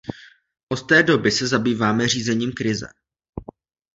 Od té doby se zabýváme řízením krize.